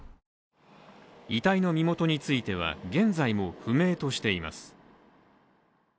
遺体の身元については現在も不明としています